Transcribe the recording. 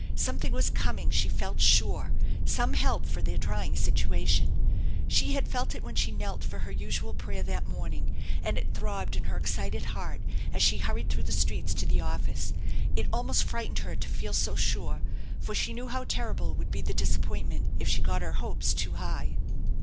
Something was coming, she felt sure, some help for their trying situation. She had felt it when she knelt for her usual prayer that morn ing, and it throbbed in her excited heart as she hurried through the streets to the office. It almost frightened her to feel so sure, for she knew how terrible would be the disappointment if she got her hopes too high.